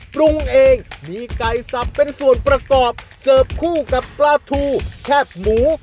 ปรุงเองมีไก่สับเป็นส่วนประกอบเสิร์ฟคู่กับปลาทูแคบหมู